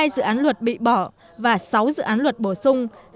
hai dự án luật bị bỏ và sáu dự án luật bổ sung